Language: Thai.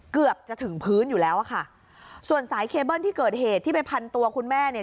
เกือบจะถึงพื้นอยู่แล้วอะค่ะส่วนสายเคเบิ้ลที่เกิดเหตุที่ไปพันตัวคุณแม่เนี่ย